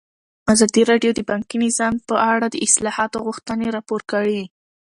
ازادي راډیو د بانکي نظام په اړه د اصلاحاتو غوښتنې راپور کړې.